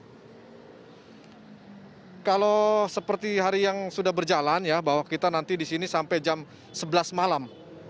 ya kalau seperti hari yang sudah berjalan ya bahwa kita nanti di sini sampai jam sebelas malam